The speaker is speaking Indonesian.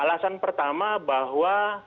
alasan pertama bahwa